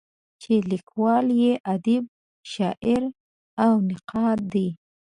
چې لیکوال یې ادیب، شاعر او نقاد دی.